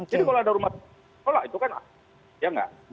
jadi kalau ada rumah sakit tolak itu kan ya nggak